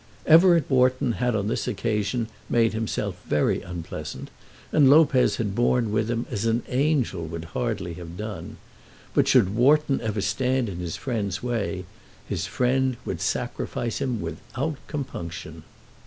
Everett Wharton had on this occasion made himself very unpleasant, and Lopez had borne with him as an angel would hardly have done; but should Wharton ever stand in his friend's way, his friend would sacrifice him without compunction.